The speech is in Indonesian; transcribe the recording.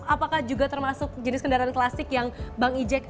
apakah juga termasuk jenis kendaraan klasik yang bang ijek